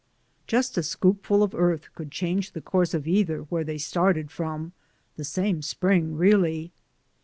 Just a scoopful of earth could change the course of either where they started — from the same spring really.